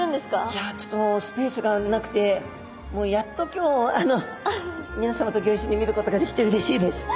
いやちょっとスペースがなくてもうやっと今日みなさまとギョいっしょに見ることができてうれしいです。